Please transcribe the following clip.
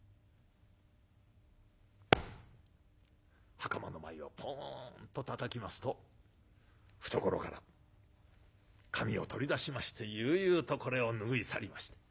はかまの前をポンとたたきますと懐から紙を取り出しまして悠々とこれを拭い去りました。